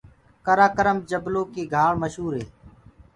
ڪرآڪرم جبلو ڪيٚ گھآݪ مشوُر هي۔